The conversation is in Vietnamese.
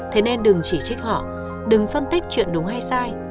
thế nên đừng chỉ trích họ đừng phân tích chuyện đúng hay sai